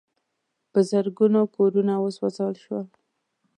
په زرګونو کورونه وسوځول شول.